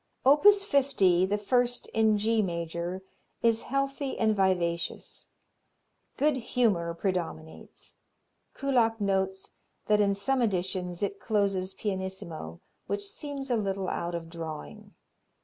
Opus 50, the first in G major, is healthy and vivacious. Good humor predominates. Kullak notes that in some editions it closes pianissimo, which seems a little out of drawing.